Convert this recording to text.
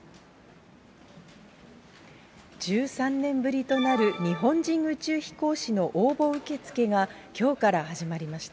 １３年ぶりとなる、日本人宇宙飛行士の応募受け付けが、きょうから始まりました。